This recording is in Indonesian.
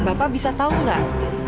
bapak bisa tau gak